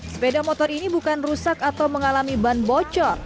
sepeda motor ini bukan rusak atau mengalami ban bocor